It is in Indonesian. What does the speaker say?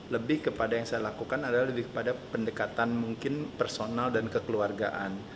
lebih kepada yang saya lakukan adalah lebih kepada pendekatan mungkin personal dan kekeluargaan